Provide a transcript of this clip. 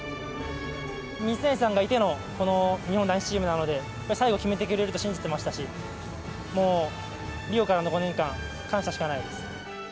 水谷さんがいてのこの日本男子チームなので、最後決めてくれると信じてましたし、もうリオからの５年間、感謝しかないです。